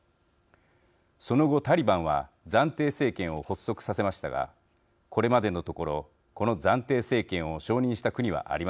その後タリバンは暫定政権を発足させましたがこれまでのところこの暫定政権を承認した国はありません。